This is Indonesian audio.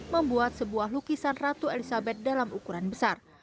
membuat sebuah lukisan ratu elizabeth dalam ukuran besar